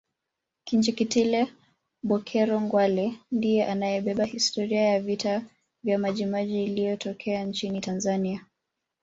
Kinjekitile Bokero Ngwale ndiye anayebeba historia ya vita vya majimaji iliyotokea nchini Tanzania